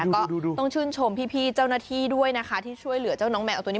ก็ต้องชื่นชมพี่เจ้าหน้าที่ด้วยนะคะที่ช่วยเหลือเจ้าน้องแมวตัวนี้